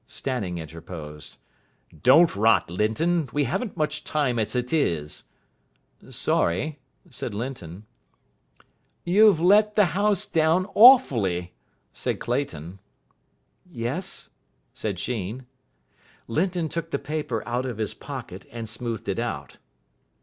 Stanning interposed. "Don't rot, Linton. We haven't much time as it is." "Sorry," said Linton. "You've let the house down awfully," said Clayton. "Yes?" said Sheen. Linton took the paper out of his pocket, and smoothed it out.